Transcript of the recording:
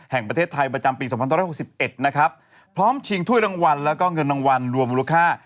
แห่งประเทศไทยประจำปี๒๑๖๑นะครับพร้อมชิงถ้วยรางวัลแล้วก็เงินรางวัลรวมมูลค่า